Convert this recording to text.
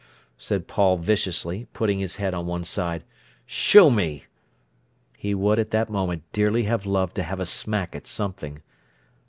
said Paul viciously, putting his head on one side. "Show me!" He would at that moment dearly have loved to have a smack at something.